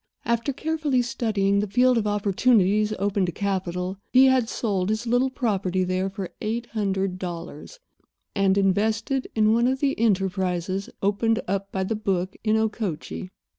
After carefully studying the field of opportunities open to capital he had sold his little property there for eight hundred dollars and invested it in one of the enterprises opened up by the book in Okochee.